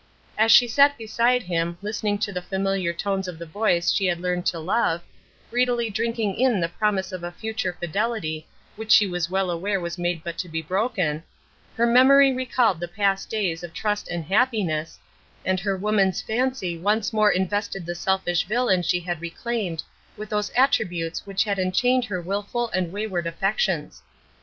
As she sat beside him, listening to the familiar tones of the voice she had learned to love, greedily drinking in the promise of a future fidelity which she was well aware was made but to be broken, her memory recalled the past days of trust and happiness, and her woman's fancy once more invested the selfish villain she had reclaimed with those attributes which had enchained her wilful and wayward affections.